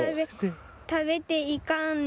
「食べていかんね！」